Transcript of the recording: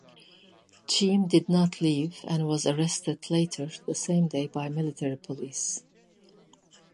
Cheam did not leave, and was arrested later the same day by military police.